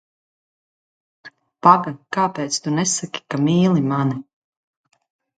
Paga, kāpēc tu nesaki, ka tu mīli mani?